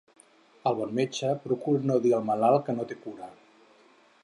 El bon metge procura no dir al malalt que no té cura.